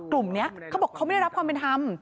กลุ่มนี้เขาบอกเขาไม่ได้รับความเป็นธรรม